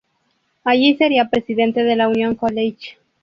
Allí sería presidente de la "Union College".